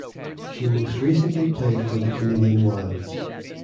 She most recently played for the Canadian Wild.